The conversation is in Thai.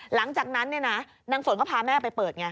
หลังจากนั้นนางฝนก็พาแม่ไปเปิดไง